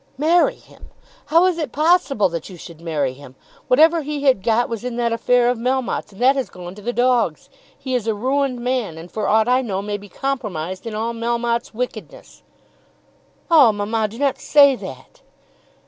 "Marry him! How is it possible you should marry him? Whatever he had got was in that affair of Melmotte's, and that has gone to the dogs. He is a ruined man, and for aught I know may be compromised in all Melmotte's wickedness." "Oh, mamma, do not say that!"